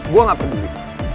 gue gak peduli